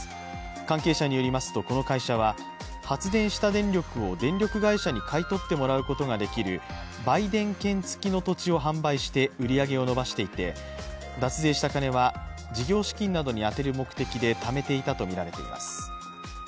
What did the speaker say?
関係者によりますとこの会社は発電した電力を電力会社に買い取ってもらうことができる売電権付きの土地を販売して売り上げを伸ばしていて、脱税した金は事業資金などに充てる目的でためていたとみられています。